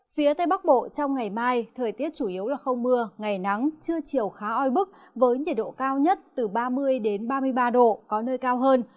phía tây bắc bộ trong ngày mai thời tiết chủ yếu là không mưa ngày nắng trưa chiều khá oi bức với nhiệt độ cao nhất từ ba mươi ba mươi ba độ có nơi cao hơn